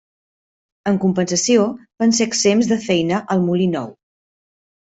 En compensació, van ser exempts de feina al molí nou.